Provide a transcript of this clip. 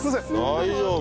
大丈夫？